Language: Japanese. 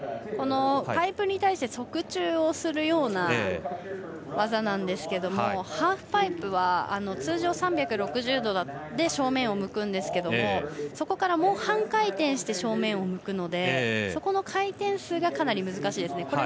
パイプに対して側宙をするような技なんですがハーフパイプは通常３６０度で正面を向くんですけれどもそこから、もう半回転して正面を向くのでそこの回転数がかなり難しいですね。